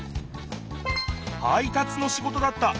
配達の仕事だった。